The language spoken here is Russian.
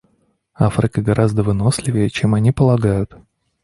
Африка гораздо выносливее, чем они полагают.